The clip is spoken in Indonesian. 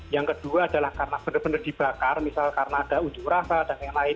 yang kedua adalah karena benar benar dibakar misal karena ada ujuk rasa dan lain lain